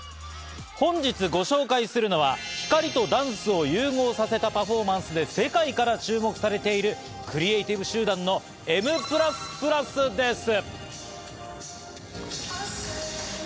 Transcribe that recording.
本日ご紹介するのは光とダンスを融合させたパフォーマンスで、世界から注目されているクリエイティブ集団のＭＰＬＵＳＰＬＵＳです。